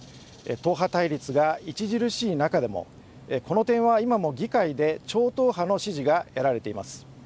党派対立が著しい中でもこの点は今も議会で超党派の支持が得られています。